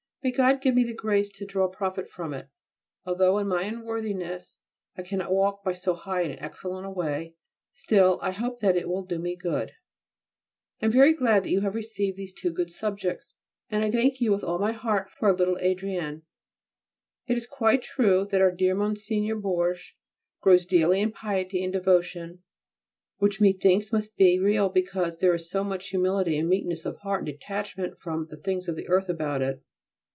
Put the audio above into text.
May God give me the grace to draw profit from it! Although in my unworthiness I cannot walk by so high and excellent a way, still, I hope that it will do me good. I am very glad that you have received those two good subjects, and I thank you with all my heart for our little Adrienne. It is quite true that our dear Mgr. Bourges grows daily in piety and devotion, which, methinks, must be real because there is so much humility, meekness of heart, and detachment from the things of earth about it.